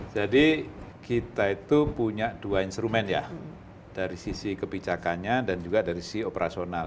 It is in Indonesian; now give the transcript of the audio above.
jadi kita itu punya dua instrumen ya dari sisi kebijakannya dan juga dari sisi operasional